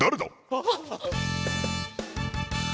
あっ。